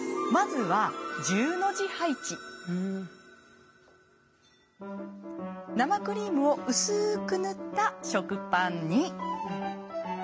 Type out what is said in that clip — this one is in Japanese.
まずは生クリームを薄く塗った食パンに。